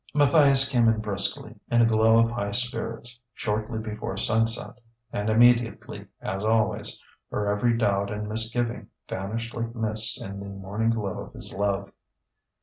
Matthias came in briskly, in a glow of high spirits, shortly before sunset; and immediately, as always, her every doubt and misgiving vanished like mists in the morning glow of his love.